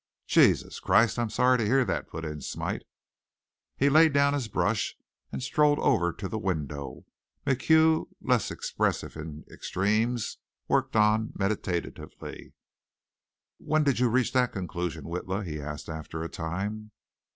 "Jesus Christ, I'm sorry to hear that," put in Smite. He laid down his brush and strolled over to the window. MacHugh, less expressive in extremes, worked on medatively. "When'd you reach that conclusion, Witla?" he asked after a time.